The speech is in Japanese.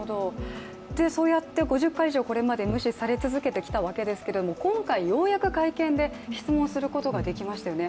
そうやって５０回以上無視され続けてきたわけですけれども今回、ようやく会見で質問することができましたよね。